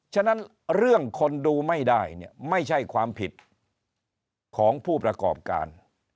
ฉะนั้นเรื่องคนดูไม่ได้เนี่ยไม่ใช่ความผิดของผู้ประกอบการ